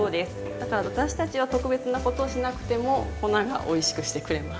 だから私たちが特別なことをしなくても粉がおいしくしてくれます。